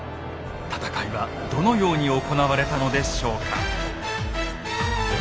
戦いはどのように行われたのでしょうか？